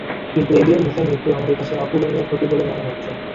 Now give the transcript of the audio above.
কিন্তু এবিএম মূসার মৃত্যু আমাদের কাছে অপূরণীয় ক্ষতি বলে মনে হচ্ছে।